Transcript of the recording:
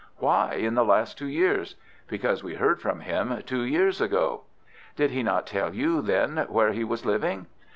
"Why in the last two years?" "Because we heard from him two years ago." "Did he not tell you then where he was living?"